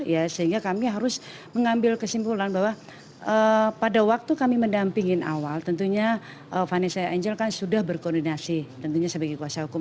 ya sehingga kami harus mengambil kesimpulan bahwa pada waktu kami mendampingin awal tentunya vanessa angel kan sudah berkoordinasi tentunya sebagai kuasa hukum